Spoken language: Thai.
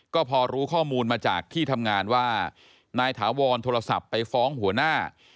ก็พอรู้ข้อมูลมาจากที่ทำงานว่านายถาวรโทรศัพท์ไปฟ้องหัวหน้า